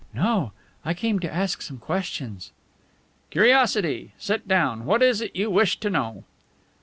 "No. I came to ask some questions." "Curiosity. Sit down. What is it you wish to know?"